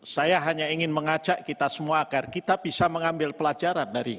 saya hanya ingin mengajak kita semua agar kita bisa mengambil pelajaran